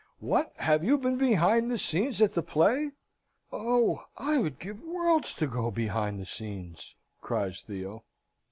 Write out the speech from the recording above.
"What! Have you been behind the scenes at the play? Oh, I would give worlds to go behind the scenes!" cries Theo.